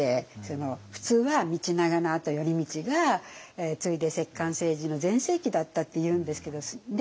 普通は道長のあと頼通が継いで摂関政治の全盛期だったっていうんですけどね